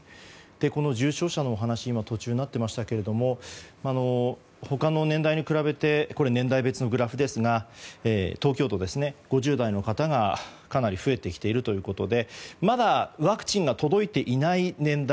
重症者のお話、今途中になっていましたが他の年代に比べて年代別のグラフですが東京都ですね、５０代の方がかなり増えてきているということでまだワクチンが届いていない年代